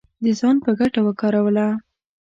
د ځان په ګټه وکاروله